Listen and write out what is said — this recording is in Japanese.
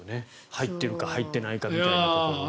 入っているか入っていないかみたいなものが。